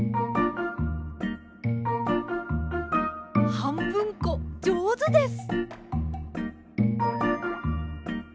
はんぶんこじょうずです。